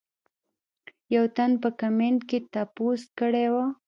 يو تن پۀ کمنټ کښې تپوس کړے وۀ